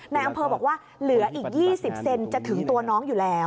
นายอำเภอบอกว่าเหลืออีก๒๐เซนจะถึงตัวน้องอยู่แล้ว